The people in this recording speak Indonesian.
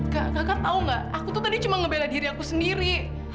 kakak tahu gak aku tuh tadi cuma ngebeda diri aku sendiri